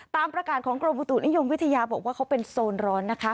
ตามประกาศของกรมอุตุนิยมวิทยาบอกว่าเขาเป็นโซนร้อนนะคะ